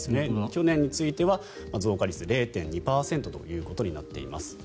去年については、増加率０．２％ということになっています。